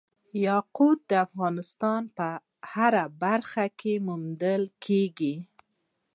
یاقوت د افغانستان په هره برخه کې موندل کېږي.